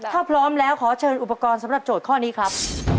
ถ้าพร้อมแล้วขอเชิญอุปกรณ์สำหรับโจทย์ข้อนี้ครับ